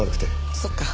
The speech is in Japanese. そっか。